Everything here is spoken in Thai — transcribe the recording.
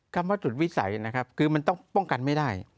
คำว่าจุดวิสัยนะครับคือมันต้องป้องกันไม่ได้